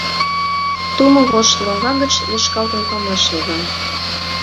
Тумо вож лоҥга гыч, лӱшкалтын, памаш йога.